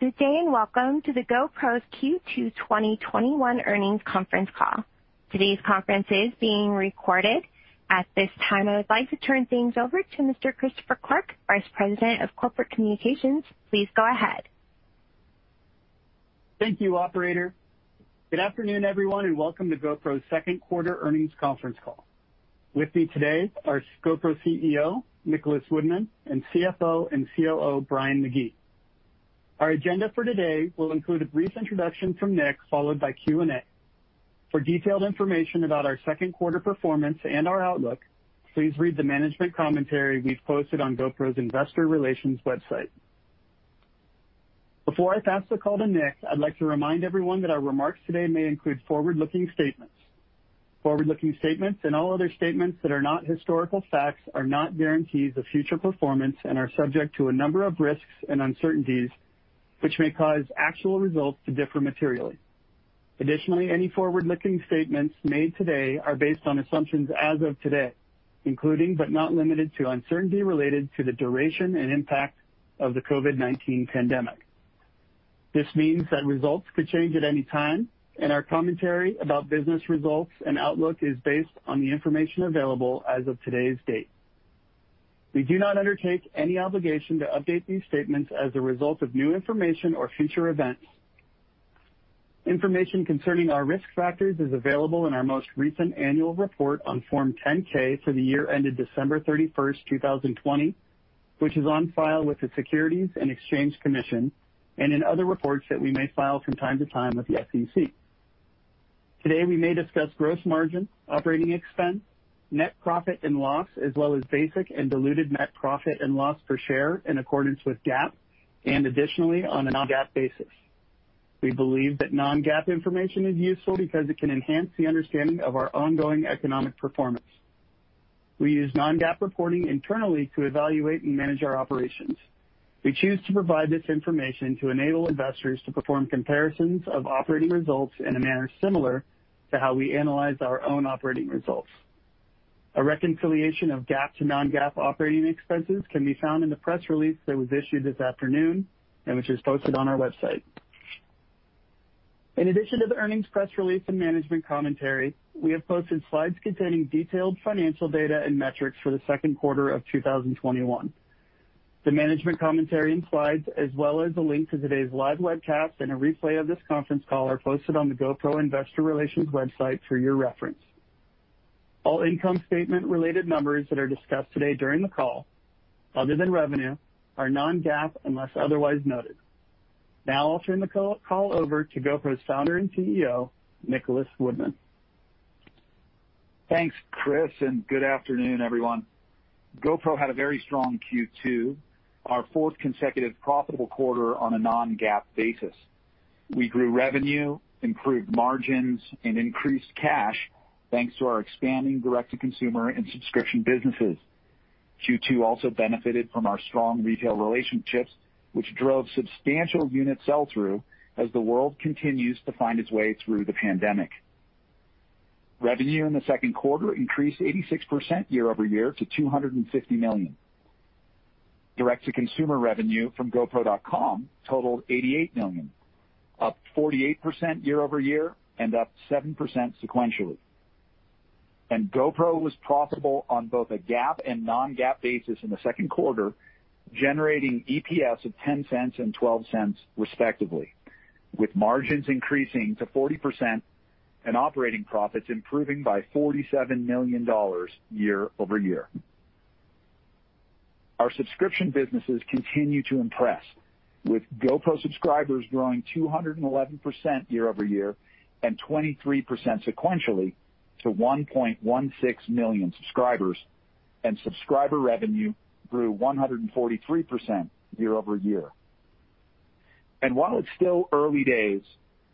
Good day, welcome to the GoPro's Q2 2021 earnings conference call. Today's conference is being recorded. At this time, I would like to turn things over to Mr. Christopher Clark, Vice President of Corporate Communications. Please go ahead. Thank you, operator. Good afternoon, everyone, welcome to GoPro's second quarter earnings conference call. With me today are GoPro CEO Nicholas Woodman and CFO and COO Brian McGee. Our agenda for today will include a brief introduction from Nick, followed by Q&A. For detailed information about our second quarter performance and our outlook, please read the management commentary we've posted on GoPro's investor relations website. Before I pass the call to Nick, I'd like to remind everyone that our remarks today may include forward-looking statements. Forward-looking statements and all other statements that are not historical facts are not guarantees of future performance and are subject to a number of risks and uncertainties, which may cause actual results to differ materially. Additionally, any forward-looking statements made today are based on assumptions as of today, including but not limited to uncertainty related to the duration and impact of the COVID-19 pandemic. This means that results could change at any time, and our commentary about business results and outlook is based on the information available as of today's date. We do not undertake any obligation to update these statements as a result of new information or future events. Information concerning our risk factors is available in our most recent annual report on Form 10-K for the year ended December 31st, 2020, which is on file with the Securities and Exchange Commission, and in other reports that we may file from time to time with the SEC. Today, we may discuss gross margin, operating expense, net profit and loss, as well as basic and diluted net profit and loss per share in accordance with GAAP and additionally, on a non-GAAP basis. We believe that non-GAAP information is useful because it can enhance the understanding of our ongoing economic performance. We use non-GAAP reporting internally to evaluate and manage our operations. We choose to provide this information to enable investors to perform comparisons of operating results in a manner similar to how we analyze our own operating results. A reconciliation of GAAP to non-GAAP operating expenses can be found in the press release that was issued this afternoon and which is posted on our website. In addition to the earnings press release and management commentary, we have posted slides containing detailed financial data and metrics for the second quarter of 2021. The management commentary and slides, as well as a link to today's live webcast and a replay of this conference call are posted on the GoPro investor relations website for your reference. All income statement-related numbers that are discussed today during the call, other than revenue, are non-GAAP unless otherwise noted. Now I'll turn the call over to GoPro's Founder and CEO, Nicholas Woodman. Thanks, Chris, and good afternoon, everyone. GoPro had a very strong Q2, our fourth consecutive profitable quarter on a non-GAAP basis. We grew revenue, improved margins, and increased cash, thanks to our expanding direct-to-consumer and subscription businesses. Q2 also benefited from our strong retail relationships, which drove substantial unit sell-through as the world continues to find its way through the pandemic. Revenue in the second quarter increased 86% year-over-year to $250 million. Direct-to-consumer revenue from gopro.com totaled $88 million, up 48% year-over-year and up 7% sequentially. GoPro was profitable on both a GAAP and non-GAAP basis in the second quarter, generating EPS of $0.10 and $0.12 respectively, with margins increasing to 40% and operating profits improving by $47 million year-over-year. Our subscription businesses continue to impress, with GoPro subscribers growing 211% year-over-year and 23% sequentially to 1.16 million subscribers, and subscriber revenue grew 143% year-over-year. While it's still early days,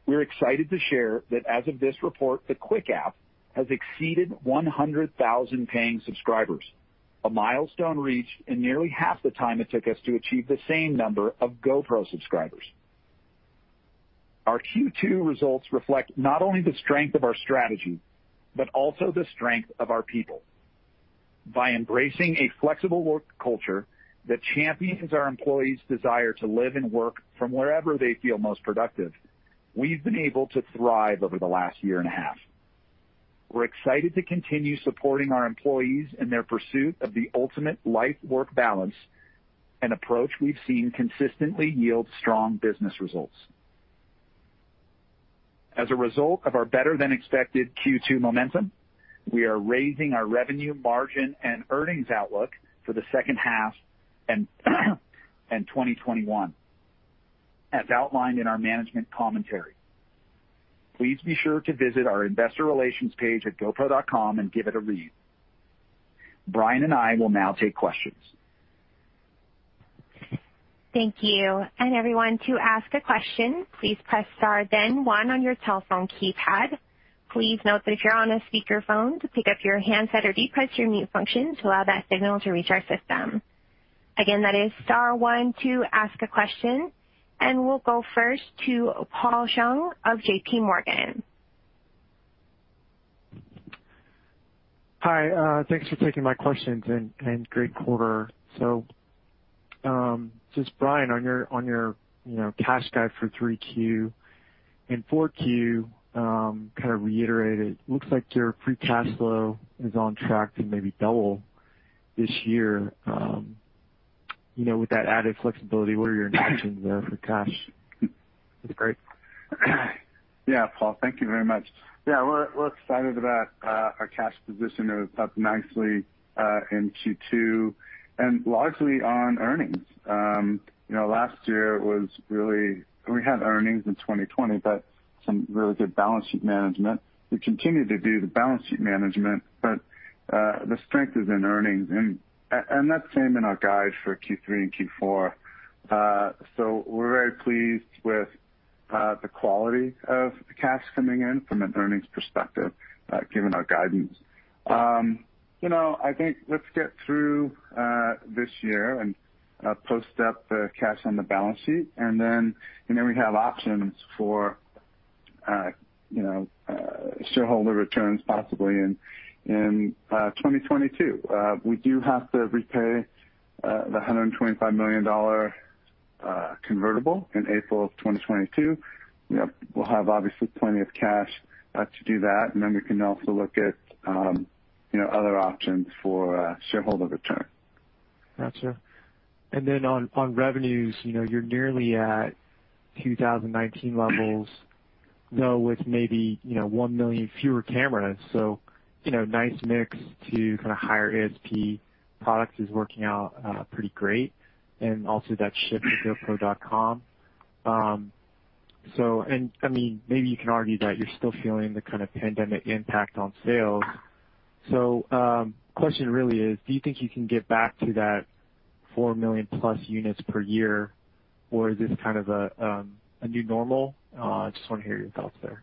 we're excited to share that as of this report, the Quik app has exceeded 100,000 paying subscribers, a milestone reached in nearly half the time it took us to achieve the same number of GoPro subscribers. Our Q2 results reflect not only the strength of our strategy, but also the strength of our people. By embracing a flexible work culture that champions our employees' desire to live and work from wherever they feel most productive, we've been able to thrive over the last year and a half. We're excited to continue supporting our employees in their pursuit of the ultimate life-work balance and approach we've seen consistently yield strong business results. As a result of our better-than-expected Q2 momentum, we are raising our revenue margin and earnings outlook for the second half and 2021, as outlined in our management commentary. Please be sure to visit our investor relations page at gopro.com and give it a read. Brian and I will now take questions. Thank you. Everyone, to ask a question, please press star then one on your telephone keypad. Please note that if you're on a speakerphone, to pick up your handset or de-press your mute function to allow that signal to reach our system. That is star one to ask a question, and we'll go first to Paul Chung of JPMorgan. Hi. Thanks for taking my questions, and great quarter. Just, Brian, on your cash guide for 3Q and 4Q, kind of reiterated, looks like your free cash flow is on track to maybe double this year. With that added flexibility, what are your intentions there for cash? That'd be great. Yeah, Paul, thank you very much. We're excited about our cash position. It was up nicely in Q2 and largely on earnings. Last year, we had earnings in 2020, but some really good balance sheet management. We continue to do the balance sheet management, but the strength is in earnings and that's same in our guide for Q3 and Q4. We're very pleased with the quality of the cash coming in from an earnings perspective, given our guidance. I think let's get through this year and post up the cash on the balance sheet, and then we have options for shareholder returns possibly in 2022. We do have to repay the $125 million convertible in April of 2022. We'll have obviously plenty of cash to do that, and then we can also look at other options for shareholder return. Got you. Then on revenues, you're nearly at 2019 levels, though with maybe one million fewer cameras. Nice mix to kind of higher ASP products is working out pretty great, and also that shift to gopro.com. Maybe you can argue that you're still feeling the kind of pandemic impact on sales. Question really is, do you think you can get back to that 4 million+ units per year, or is this kind of a new normal? Just want to hear your thoughts there.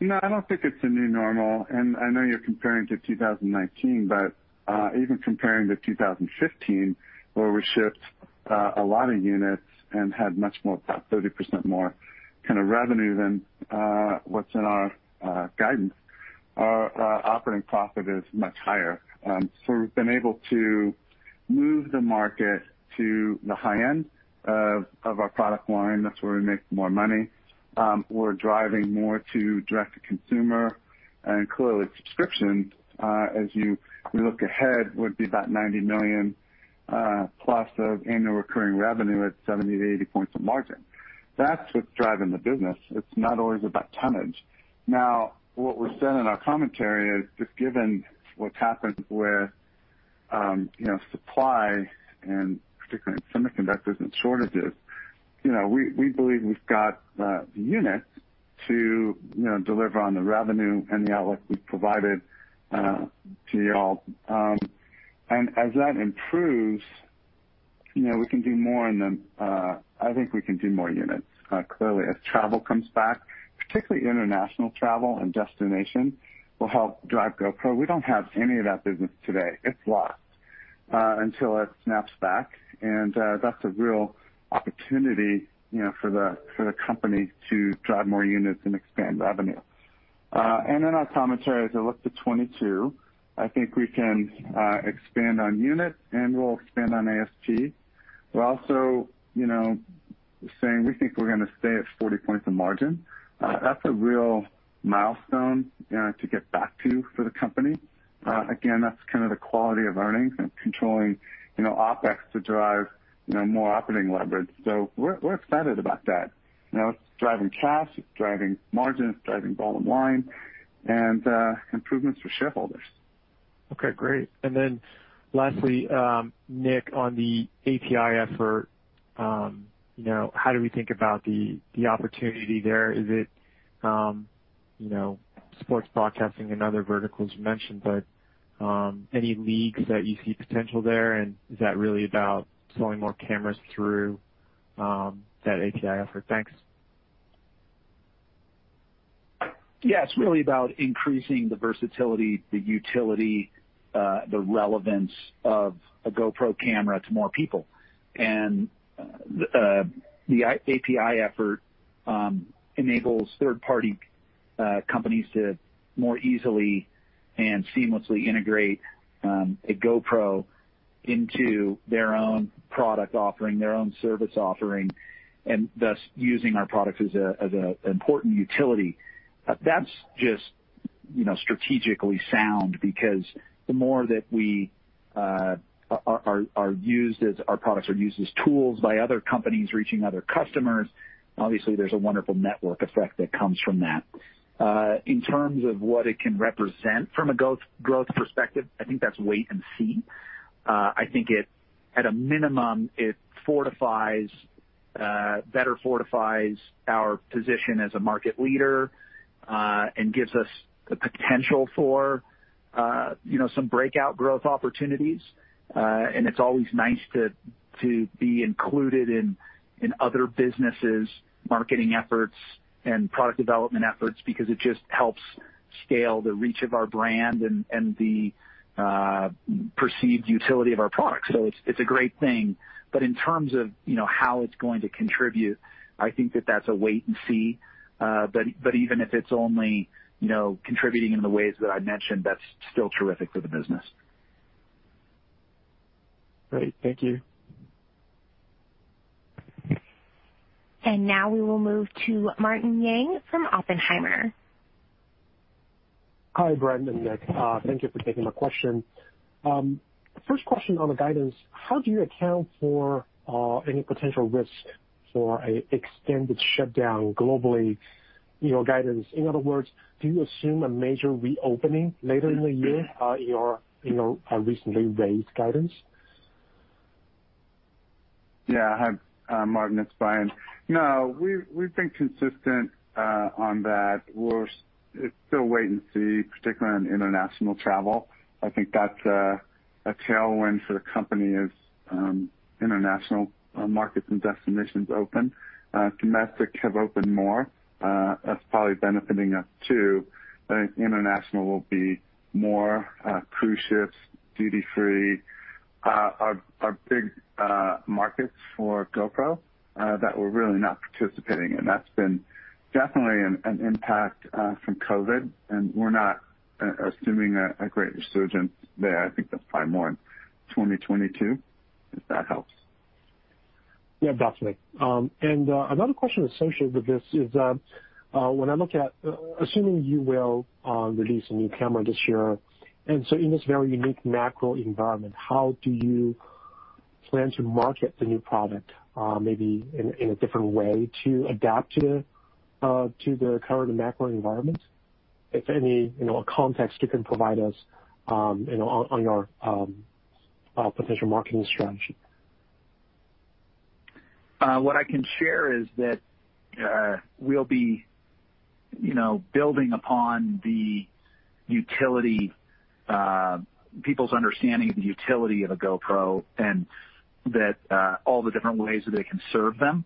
No, I don't think it's a new normal, and I know you're comparing to 2019, but even comparing to 2015, where we shipped a lot of units and had about 30% more kind of revenue than what's in our guidance, our operating profit is much higher. We've been able to move the market to the high end of our product line. That's where we make more money. We're driving more to direct-to-consumer, and clearly subscription, as we look ahead, would be about $90 million+ of annual recurring revenue at 70-80 points of margin. That's what's driving the business. It's not always about tonnage. What we've said in our commentary is just given what's happened with supply and particularly in semiconductors and shortages, we believe we've got the units to deliver on the revenue and the outlook we've provided to you all. As that improves, I think we can do more units. Clearly, as travel comes back, particularly international travel and destination will help drive GoPro. We don't have any of that business today. It's lost until it snaps back, and that's a real opportunity for the company to drive more units and expand revenue. In our commentary, as I look to 2022, I think we can expand on units, and we'll expand on ASP. We're also saying we think we're going to stay at 40 points of margin. That's a real milestone to get back to for the company. Again, that's kind of the quality of earnings and controlling OpEx to drive more operating leverage. We're excited about that. It's driving cash, it's driving margin, it's driving bottom line and improvements for shareholders. Okay, great. Lastly, Nick, on the API effort, how do we think about the opportunity there? Is it sports broadcasting and other verticals you mentioned, but any leagues that you see potential there, and is that really about selling more cameras through that API effort? Thanks. Yeah. It's really about increasing the versatility, the utility, the relevance of a GoPro camera to more people. The API effort enables third-party companies to more easily and seamlessly integrate a GoPro into their own product offering, their own service offering, and thus using our product as an important utility. That's just strategically sound because the more that our products are used as tools by other companies reaching other customers, obviously there's a wonderful network effect that comes from that. In terms of what it can represent from a growth perspective, I think that's wait and see. I think at a minimum, it better fortifies our position as a market leader and gives us the potential for some breakout growth opportunities. It's always nice to be included in other businesses' marketing efforts and product development efforts, because it just helps scale the reach of our brand and the perceived utility of our product. It's a great thing. In terms of how it's going to contribute, I think that that's a wait and see. Even if it's only contributing in the ways that I mentioned, that's still terrific for the business. Great. Thank you. Now we will move to Martin Yang from Oppenheimer. Hi, Brian and Nick. Thank you for taking my question. First question on the guidance, how do you account for any potential risk for a extended shutdown globally, your guidance? In other words, do you assume a major reopening later in the year in your recently raised guidance? Hi, Martin. It's Brian. We've been consistent on that. It's still wait and see, particularly on international travel. I think that's a tailwind for the company as international markets and destinations open. Domestic have opened more. That's probably benefiting us, too. I think international will be more, cruise ships, duty free, are big markets for GoPro, that we're really not participating in. That's been definitely an impact from COVID-19. We're not assuming a great resurgence there. I think that's probably more in 2022, if that helps. Yeah, definitely. Another question associated with this is, when I look at, assuming you will release a new camera this year, in this very unique macro environment, how do you plan to market the new product, maybe in a different way to adapt to the current macro environment? If any context you can provide us on your potential marketing strategy. What I can share is that we'll be building upon people's understanding of the utility of a GoPro and all the different ways that they can serve them.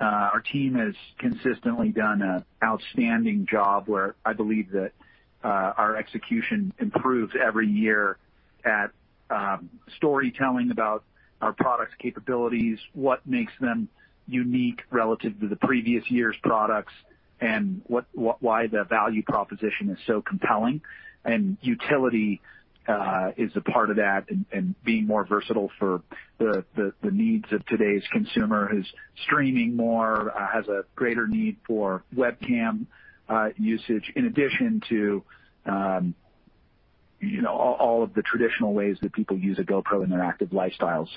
Our team has consistently done a outstanding job where I believe that our execution improves every year at storytelling about our products' capabilities, what makes them unique relative to the previous year's products, and why the value proposition is so compelling. Utility is a part of that, and being more versatile for the needs of today's consumer who's streaming more, has a greater need for webcam usage, in addition to all of the traditional ways that people use a GoPro in their active lifestyle.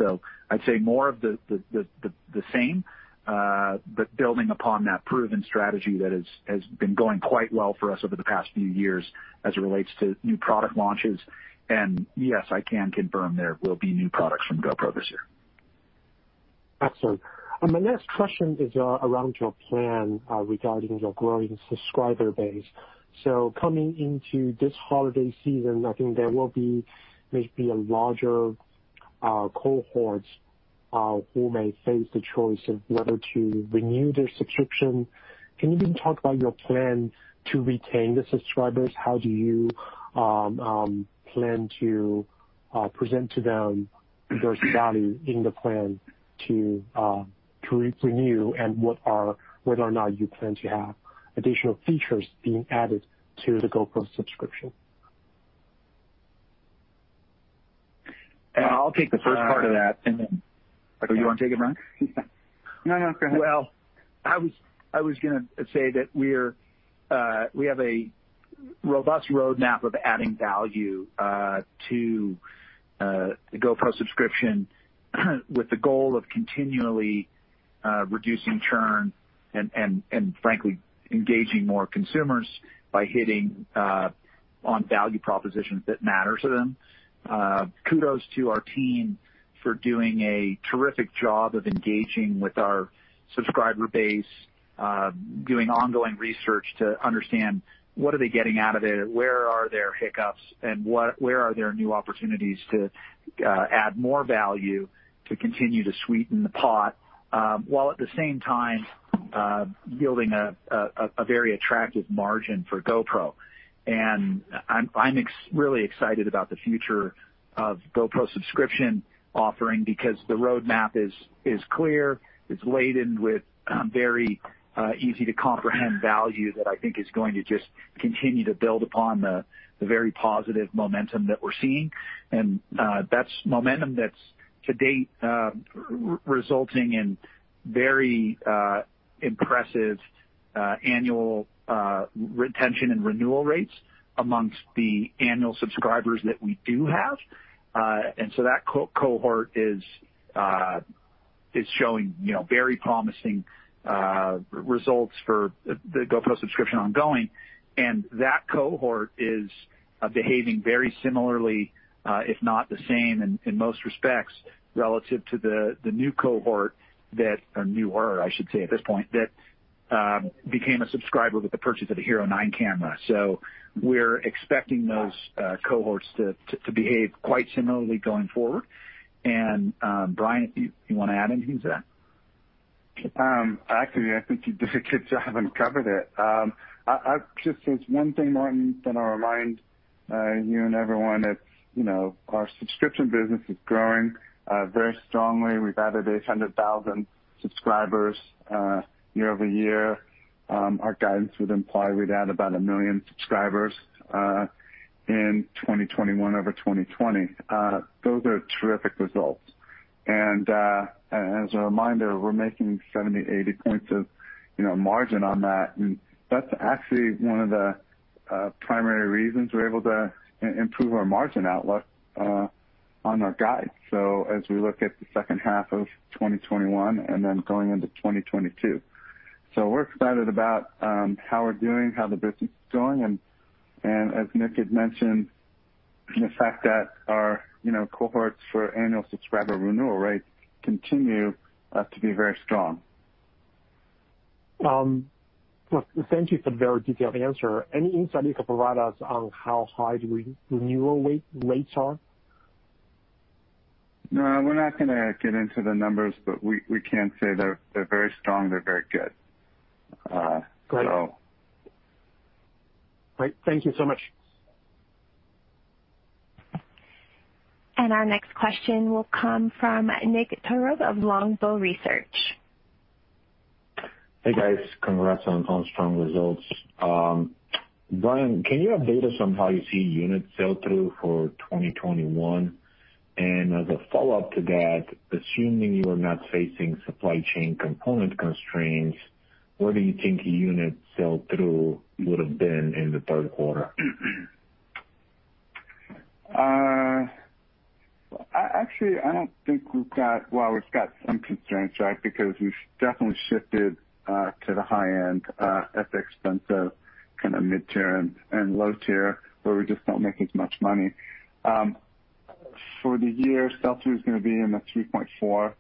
I'd say more of the same, but building upon that proven strategy that has been going quite well for us over the past few years as it relates to new product launches. Yes, I can confirm there will be new products from GoPro this year. Excellent. My next question is around your plan regarding your growing subscriber base. Coming into this holiday season, I think there will be maybe a larger cohorts who may face the choice of whether to renew their subscription. Can you talk about your plan to retain the subscribers? How do you plan to present to them there's value in the plan to renew, and whether or not you plan to have additional features being added to the GoPro subscription? I'll take the first part of that, and then You want to take it, Brian? No, go ahead. Well, I was going to say that we have a robust roadmap of adding value to the GoPro subscription with the goal of continually reducing churn and frankly, engaging more consumers by hitting on value propositions that matter to them. Kudos to our team for doing a terrific job of engaging with our subscriber base, doing ongoing research to understand what are they getting out of it, where are their hiccups, and where are there new opportunities to add more value to continue to sweeten the pot, while at the same time yielding a very attractive margin for GoPro. I'm really excited about the future of GoPro subscription offering because the roadmap is clear. It's laden with very easy-to-comprehend value that I think is going to just continue to build upon the very positive momentum that we're seeing. That's momentum that's to date, resulting in very impressive annual retention and renewal rates amongst the annual subscribers that we do have. That cohort is showing very promising results for the GoPro subscription ongoing, and that cohort is behaving very similarly, if not the same in most respects, relative to the new cohort that, or newer I should say at this point, that became a subscriber with the purchase of the HERO9 Black camera. We're expecting those cohorts to behave quite similarly going forward. Brian, you want to add anything to that? Actually, I think you did a good job and covered it. I'd just say one thing, Martin, that I'll remind you and everyone that our subscription business is growing very strongly. We've added 800,000 subscribers year-over-year. Our guidance would imply we'd add about one million subscribers in 2021 over 2020. Those are terrific results. As a reminder, we're making 70, 80 points of margin on that. That's actually one of the primary reasons we're able to improve our margin outlook on our guide. As we look at the second half of 2021 and then going into 2022. We're excited about how we're doing, how the business is doing, and as Nick had mentioned, the fact that our cohorts for annual subscriber renewal rates continue to be very strong. Look, thank you for the very detailed answer. Any insight you could provide us on how high the renewal rates are? No, we're not going to get into the numbers, but we can say they're very strong. They're very good. Great. Thank you so much. Our next question will come from Nikolay Todorov of Longbow Research. Hey, guys. Congrats on strong results. Brian, can you update us on how you see unit sell-through for 2021? As a follow-up to that, assuming you are not facing supply chain component constraints, where do you think unit sell-through would've been in the third quarter? Actually, I don't think we've got some constraints, right? We've definitely shifted to the high end at the expense of mid-tier and low tier, where we just don't make as much money. For the year, sell-through is going to be in the $3.4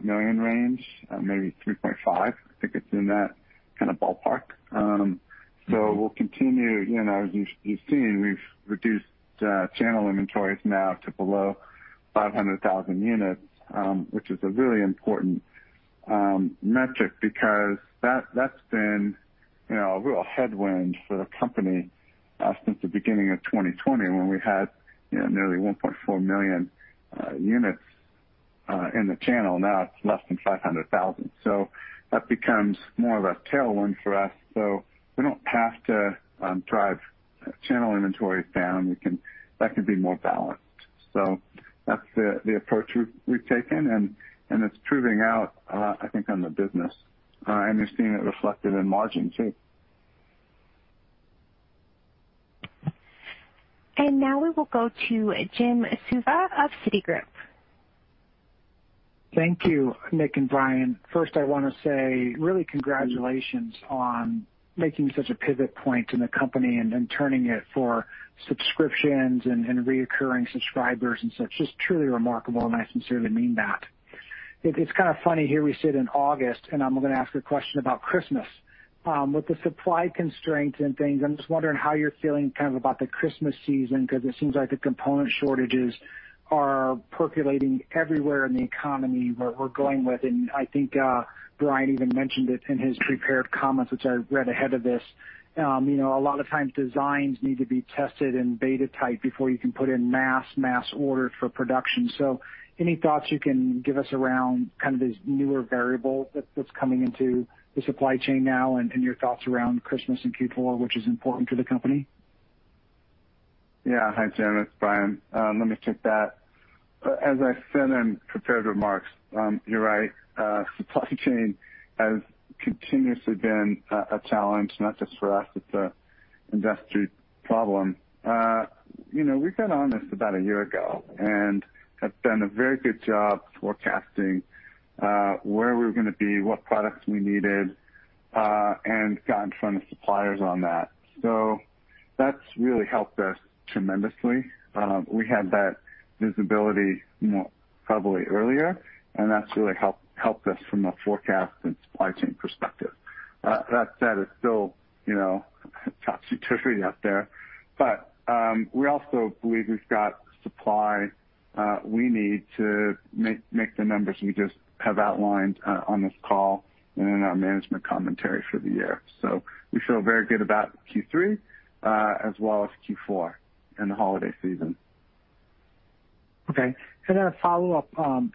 million range, maybe $3.5 million. I think it's in that kind of ballpark. We'll continue. As you've seen, we've reduced channel inventories now to below 500,000 units, which is a really important metric because that's been a real headwind for the company since the beginning of 2020 when we had nearly 1.4 million units in the channel. Now it's less than 500,000. That becomes more of a tailwind for us. We don't have to drive channel inventories down. That can be more balanced. That's the approach we've taken, and it's proving out, I think, on the business. You're seeing it reflected in margin too. Now we will go to Jim Suva of Citigroup. Thank you, Nick and Brian. First I want to say really congratulations on making such a pivot point in the company and then turning it for subscriptions and recurring subscribers and such. It's truly remarkable, and I sincerely mean that. It's kind of funny. Here we sit in August, and I'm going to ask a question about Christmas. With the supply constraints and things, I'm just wondering how you're feeling kind of about the Christmas season, because it seems like the component shortages are percolating everywhere in the economy where we're going with, and I think Brian even mentioned it in his prepared comments, which I read ahead of this. A lot of times designs need to be tested in beta type before you can put in mass orders for production. Any thoughts you can give us around kind of this newer variable that's coming into the supply chain now and your thoughts around Christmas and Q4, which is important to the company? Yeah. Hi, Jim. It's Brian. Let me take that. As I said in prepared remarks, you're right. Supply chain has continuously been a challenge, not just for us. It's an industry problem. We got on this about a year ago and have done a very good job forecasting where we were going to be, what products we needed, and got in front of suppliers on that. That's really helped us tremendously. We had that visibility probably earlier, and that's really helped us from a forecast and supply chain perspective. That said, it's still topsy-turvy out there. We also believe we've got the supply we need to make the numbers we just have outlined on this call and in our management commentary for the year. We feel very good about Q3, as well as Q4 and the holiday season. Okay. Then a follow-up.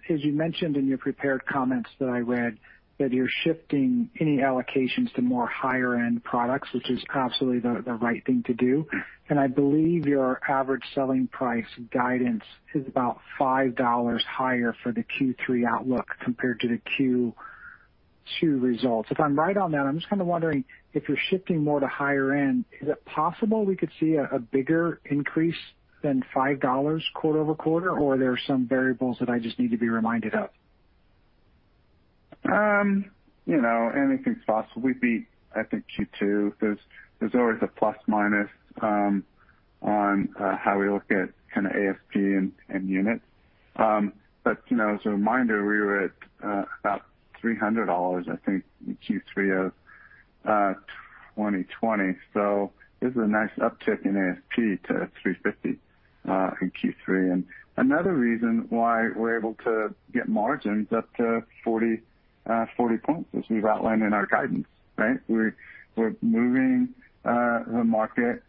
As you mentioned in your prepared comments that I read, that you're shifting any allocations to more higher-end products, which is absolutely the right thing to do. I believe your average selling price guidance is about $5 higher for the Q3 outlook compared to the Q2 results. If I'm right on that, I'm just kind of wondering, if you're shifting more to higher end, is it possible we could see a bigger increase than $5 quarter-over-quarter, or there are some variables that I just need to be reminded of? Anything's possible. We beat, I think, Q2. There's always a plus/minus on how we look at kind of ASP and units. As a reminder, we were at about $300, I think, in Q3 of 2020. This is a nice uptick in ASP to $350 in Q3. Another reason why we're able to get margins up to 40 points, as we've outlined in our guidance, right? We're moving the market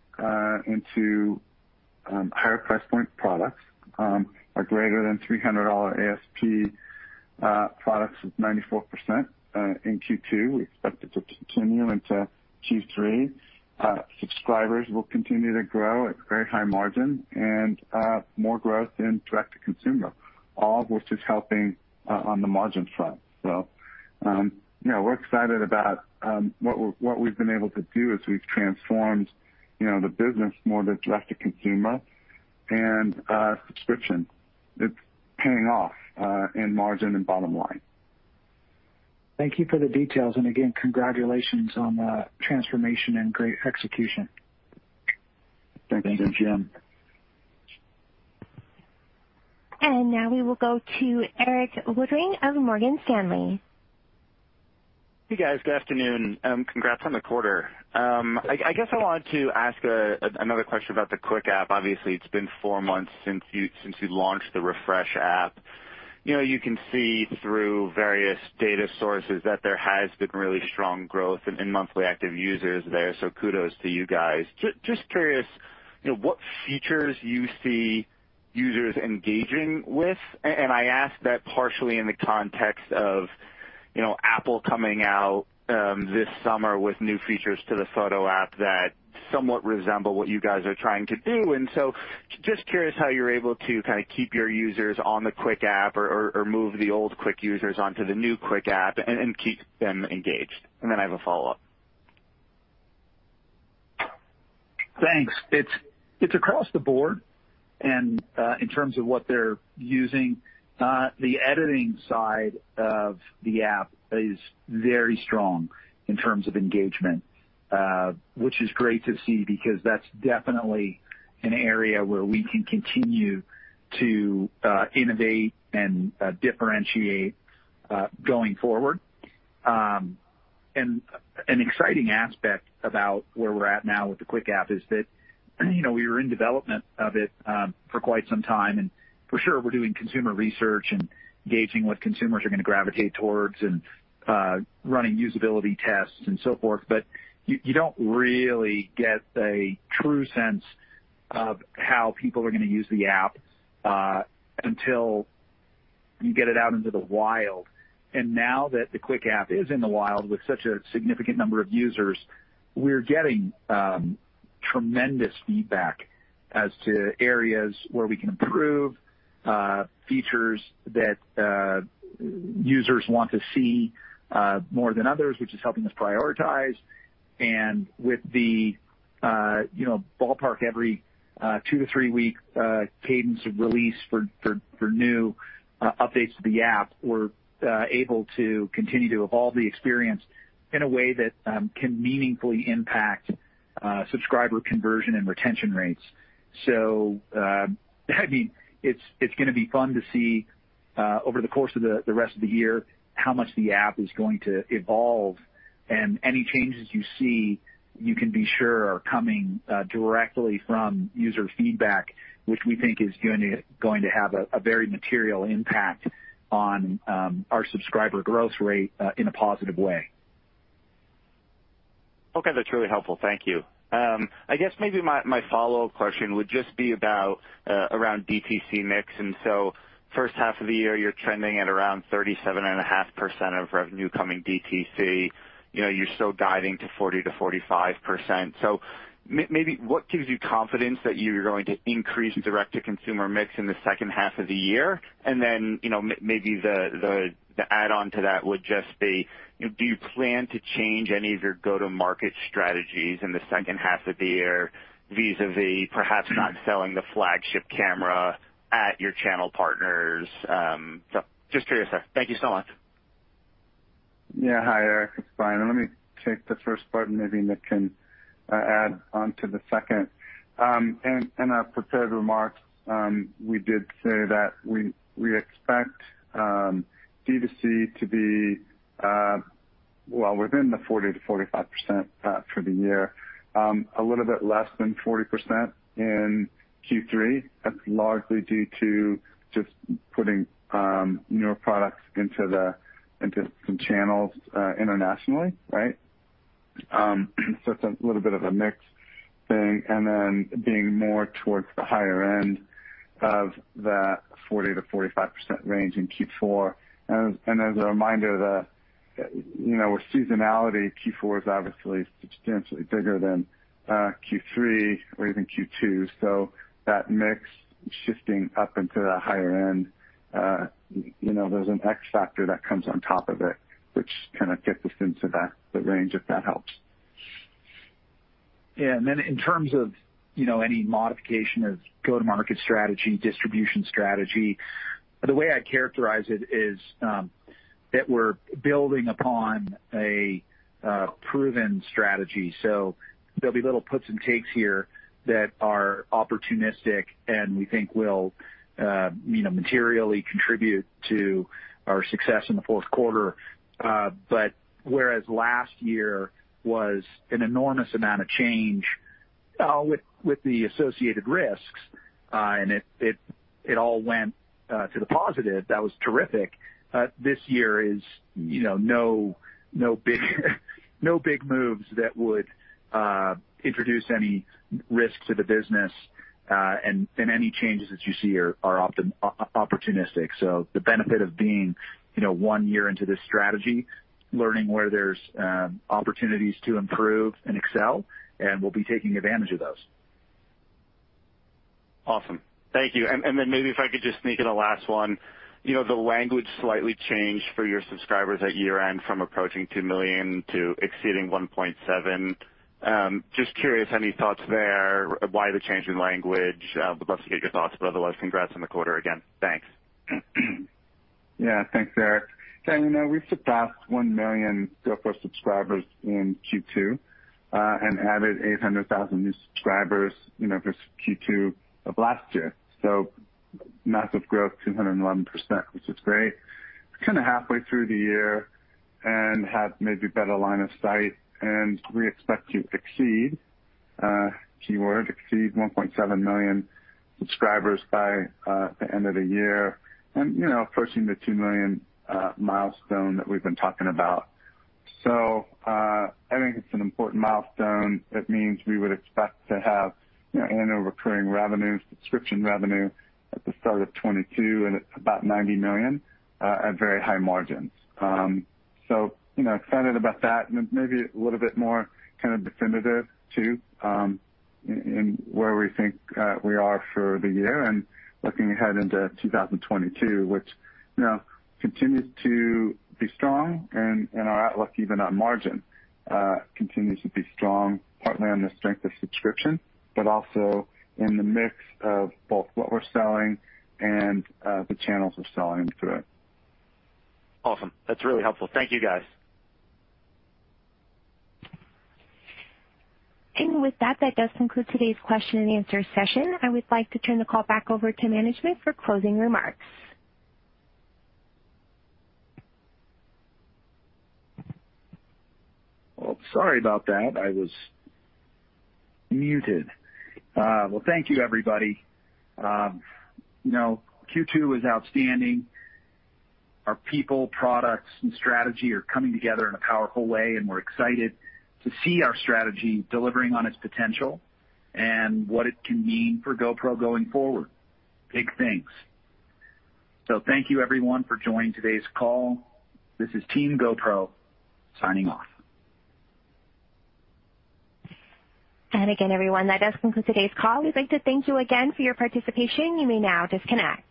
into higher price point products, our greater than $300 ASP products up 94% in Q2. We expect it to continue into Q3. Subscribers will continue to grow at very high margin, and more growth in direct-to-consumer, all of which is helping on the margin front. We're excited about what we've been able to do as we've transformed the business more to direct-to-consumer and subscription. It's paying off in margin and bottom line. Thank you for the details, and again, congratulations on the transformation and great execution. Thank you, Jim. Now we will go to Erik Woodring of Morgan Stanley. Hey, guys. Good afternoon. Congrats on the quarter. I guess I wanted to ask another question about the Quik app. Obviously, it's been four months since you launched the refresh app. You can see through various data sources that there has been really strong growth in monthly active users there, so kudos to you guys. Just curious what features you see users engaging with, and I ask that partially in the context of Apple coming out this summer with new features to the Photos app that somewhat resemble what you guys are trying to do. Just curious how you're able to kind of keep your users on the Quik app or move the old Quik users onto the new Quik app and keep them engaged. I have a follow-up. Thanks. It's across the board, and in terms of what they're using, the editing side of the app is very strong in terms of engagement, which is great to see because that's definitely an area where we can continue to innovate and differentiate going forward. An exciting aspect about where we're at now with the Quik app is that we were in development of it for quite some time, and for sure we're doing consumer research and gauging what consumers are going to gravitate towards and running usability tests and so forth. You don't really get a true sense of how people are going to use the app until you get it out into the wild. now that the Quik app is in the wild with such a significant number of users, we're getting tremendous feedback as to areas where we can improve, features that users want to see more than others, which is helping us prioritize. with the ballpark every two to three-week cadence of release for new updates to the app, we're able to continue to evolve the experience in a way that can meaningfully impact subscriber conversion and retention rates. it's going to be fun to see over the course of the rest of the year how much the app is going to evolve, and any changes you see, you can be sure are coming directly from user feedback, which we think is going to have a very material impact on our subscriber growth rate in a positive way. Okay. That's really helpful. Thank you. I guess maybe my follow-up question would just be around DTC mix. First half of the year, you're trending at around 37.5% of revenue coming DTC. You're still guiding to 40%-45%. Maybe what gives you confidence that you're going to increase direct-to-consumer mix in the second half of the year? Maybe the add-on to that would just be, do you plan to change any of your go-to-market strategies in the second half of the year vis-à-vis perhaps not selling the flagship camera at your channel partners? Just curious there. Thank you so much. Yeah. Hi, Erik. It's Brian. Let me take the first part, and maybe Nick can add on to the second. In our prepared remarks, we did say that we expect DTC to be within the 40%-45% for the year. A little bit less than 40% in Q3. That's largely due to just putting newer products into some channels internationally, right? It's a little bit of a mix thing. Being more towards the higher end of that 40%-45% range in Q4. As a reminder that with seasonality, Q4 is obviously substantially bigger than Q3 or even Q2. That mix shifting up into the higher end, there's an X factor that comes on top of it, which kind of gets us into the range, if that helps. Yeah, in terms of any modification of go-to-market strategy, distribution strategy, the way I'd characterize it is that we're building upon a proven strategy. there'll be little puts and takes here that are opportunistic and we think will materially contribute to our success in the fourth quarter. whereas last year was an enormous amount of change with the associated risks, and it all went to the positive. That was terrific. This year is no big moves that would introduce any risk to the business, and any changes that you see are opportunistic. the benefit of being one year into this strategy, learning where there's opportunities to improve and excel, and we'll be taking advantage of those. Awesome. Thank you. Maybe if I could just sneak in a last one. The language slightly changed for your subscribers at year-end from approaching two million to exceeding 1.7. Just curious, any thoughts there, why the change in language? Would love to get your thoughts, but otherwise, congrats on the quarter again. Thanks. Yeah, thanks, Erik. We surpassed one million GoPro subscribers in Q2, and added 800,000 new subscribers versus Q2 of last year. Massive growth, 211%, which is great. Kind of halfway through the year and have maybe better line of sight, and we expect to exceed, keyword, exceed 1.7 million subscribers by the end of the year and approaching the two million milestone that we've been talking about. I think it's an important milestone. It means we would expect to have annual recurring revenue, subscription revenue at the start of 2022, and it's about $90 million at very high margins. Excited about that, and maybe a little bit more kind of definitive too, in where we think we are for the year and looking ahead into 2022, which continues to be strong, and our outlook even on margin continues to be strong, partly on the strength of subscription, but also in the mix of both what we're selling and the channels we're selling through. Awesome. That's really helpful. Thank you, guys. With that does conclude today's question and answer session. I would like to turn the call back over to management for closing remarks. Well, sorry about that. I was muted. Well, thank you, everybody. Q2 was outstanding. Our people, products, and strategy are coming together in a powerful way, and we're excited to see our strategy delivering on its potential and what it can mean for GoPro going forward. Big things. thank you, everyone, for joining today's call. This is Team GoPro signing off. Again, everyone, that does conclude today's call. We'd like to thank you again for your participation. You may now disconnect.